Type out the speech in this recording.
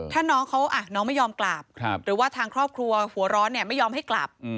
ถ้าน้องเขาน้องไม่ยอมกลับหรือว่าทางครอบครัวหัวร้อนเนี่ยไม่ยอมให้กลับ